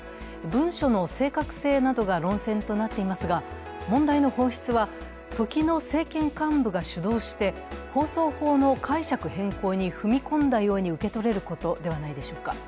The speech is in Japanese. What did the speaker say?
文書の正確性などが論戦となっていますが、問題の本質は、時の政権幹部が主導して放送法の解釈変更に踏み込んだように受け取れることではないでしょうか。